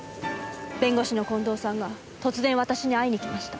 弁護士の近藤さんが突然私に会いに来ました。